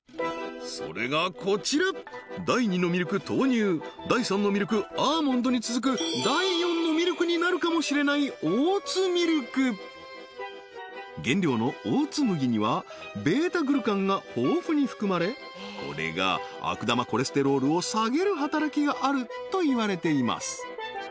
それがこちら第２のミルク豆乳第３のミルクアーモンドに続く第４のミルクになるかもしれないオーツミルク原料のオーツ麦にはβグルカンが豊富に含まれこれが悪玉コレステロールを下げる働きがあるといわれています